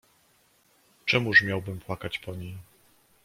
"Czemuż miałbym płakać po niej?"